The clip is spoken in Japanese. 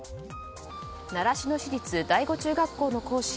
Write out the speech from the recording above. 習志野市立第五中学校の講師